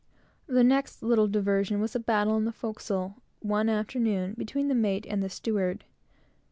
The next little diversion, was a battle on the forecastle one afternoon, between the mate and the steward.